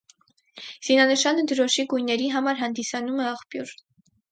Զինանշանը դրոշի գույների համար հանդիսանում է աղբյուր։